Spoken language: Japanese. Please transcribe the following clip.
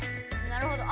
なるほど！